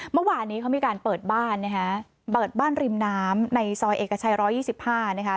เมื่อวานนี้เขามีการเปิดบ้านนะฮะเปิดบ้านริมน้ำในซอยเอกชัย๑๒๕นะคะ